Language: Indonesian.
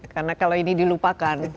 karena kalau ini dilupakan